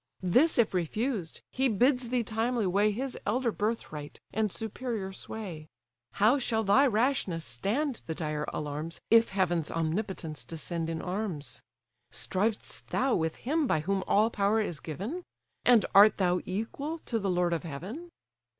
This if refused, he bids thee timely weigh His elder birthright, and superior sway. How shall thy rashness stand the dire alarms If heaven's omnipotence descend in arms? Striv'st thou with him by whom all power is given? And art thou equal to the lord of heaven?"